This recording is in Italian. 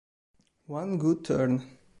One Good Turn